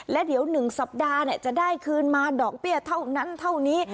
และเดี๋ยว๑สัปดาห์จะได้คืนมาดอกเบี้ยเท่านั้นเท่านี้